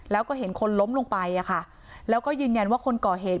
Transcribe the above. แล้วก็เห็นคนล้มลงไปอ่ะค่ะแล้วก็ยืนยันว่าคนก่อเหตุ